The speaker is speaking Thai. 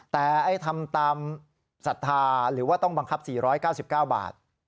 แต่ทำตามศรัทธาหรือว่าต้องบังคับ๔๙๙บาท